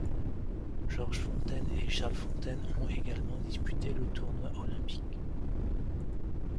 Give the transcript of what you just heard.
Georges Fontaine et Charles Fonteyne ont également disputé le tournoi olympique.